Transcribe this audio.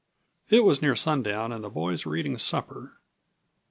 It was near sundown and the boys were eating supper.